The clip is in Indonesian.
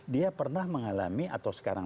dia pernah mengalami atau sekarang